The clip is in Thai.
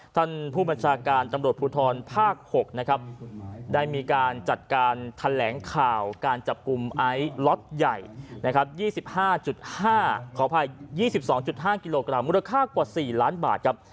ท่านผู้บัญชาการตำรวจภูทรภาค๖นะครับได้มีการจัดการแถลงข่าวการจับกลุ่มไอซ์ล็อตใหญ่นะครับ๒๕๕ขออภัย๒๒๕กิโลกรัมมูลค่ากว่า๔ล้านบาทครับ